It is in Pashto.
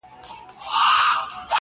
o زور چي زورور سي، عقل مرور سي!